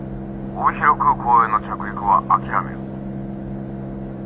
帯広空港への着陸は諦める」。